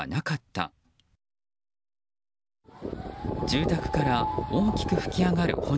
住宅から大きく噴き上がる炎。